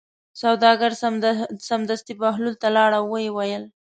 سوداګر سمدستي بهلول ته لاړ او ویې ویل.